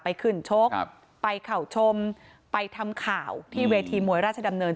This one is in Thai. ไปขึ้นชกไปเข้าชมไปทำข่าวที่เวทีมวยราชดำเนิน